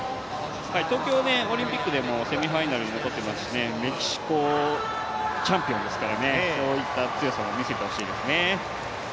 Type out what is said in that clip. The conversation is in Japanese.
東京オリンピックでもセミファイナル残っていますから、メキシコチャンピオンですから、そういった強さも見せてほしいですね。